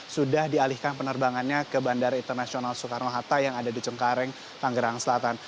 sudah dialihkan penerbangannya ke bandara internasional soekarno hatta yang ada di cengkareng tanggerang selatan